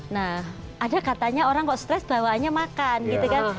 nah ada katanya orang kok stres bawaannya makan gitu kan